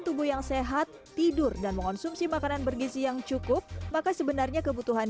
tubuh yang sehat tidur dan mengonsumsi makanan bergizi yang cukup maka sebenarnya kebutuhan